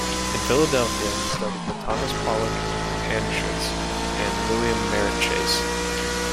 In Philadelphia he studied with Thomas Pollock Anshutz and William Merritt Chase.